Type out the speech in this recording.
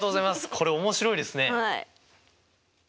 これ面白いですね。